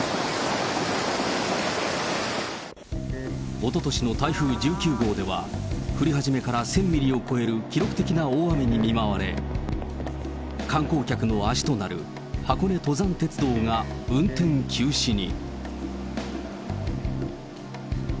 おととしの台風１９号では、降り始めから１０００ミリを超える記録的な大雨に見舞われ、観光客の足となる箱根登山鉄道が運転休止に。